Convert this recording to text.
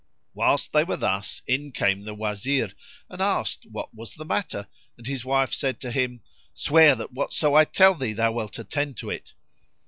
[FN#19] Whilst they were thus, in came the Wazir and asked what was the matter, and his wife said to him, "Swear that whatso I tell thee thou wilt attend to it."